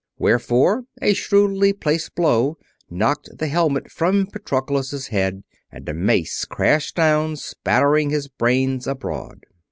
Wherefore a shrewdly placed blow knocked the helmet from Patroclus' head and a mace crashed down, spattering his brains abroad.